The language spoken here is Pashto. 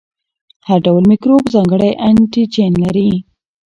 هر ډول میکروب ځانګړی انټيجن لري.